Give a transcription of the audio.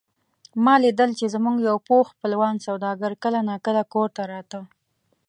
ما لیدل چې زموږ یو پوخ خپلوان سوداګر کله نا کله کور ته راته.